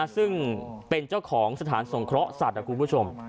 ซึ่งเป็นเจ้าของสถานสงเคราะห์สัตว์